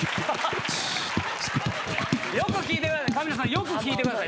よく聞いてください。